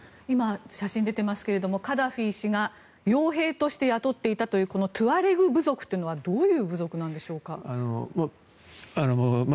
今、写真が出ていますがカダフィ氏が傭兵として雇っていたというトゥアレグ部族というのはどういう部族なんでしょうか？